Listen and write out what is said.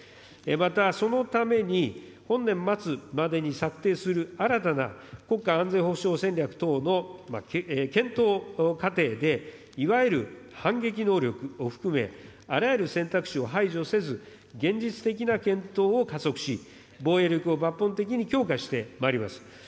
またそのために、本年末までに策定する新たな国家安全保障戦略等の検討過程で、いわゆる反撃能力を含め、あらゆる選択肢を排除せず、現実的な検討を加速し、防衛力を抜本的に強化してまいります。